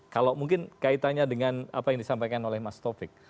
kalau mungkin kaitannya dengan apa yang disampaikan oleh mas taufik